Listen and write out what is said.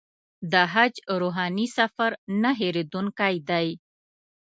د حج روحاني سفر نه هېرېدونکی دی.